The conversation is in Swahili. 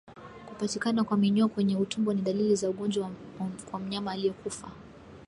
Kupatikana kwa minyoo kwenye utumbo ni dalili za ugonjwa kwa mnyama aliyekufa